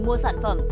có chứ em